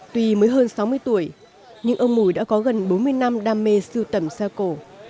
tuy mới hơn sáu mươi tuổi nhưng ông mùi đã có gần bốn mươi năm đam mê sưu tầm xa cổ